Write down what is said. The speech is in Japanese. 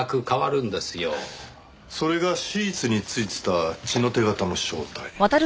それがシーツに付いてた血の手形の正体。